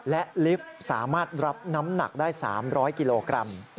และลิฟต์สามารถรับน้ำหนักได้๓๐๐กิโลกรัม